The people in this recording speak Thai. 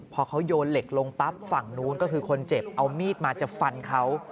พอเขาโยนเหล็กลงปั๊บฝั่งนู้นก็คือคนเจ็บเอามีดมาจะฟันเขา